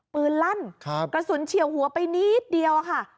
ลั่นกระสุนเฉียวหัวไปนิดเดียวค่ะ